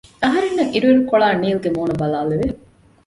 އަހަރެންނަށް އިރު އިރުކޮޅާ ނީލްގެ މޫނަށް ބަލާލެވެ